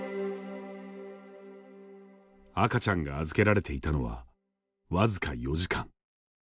赤ちゃんが預けられていたのはわずか４時間。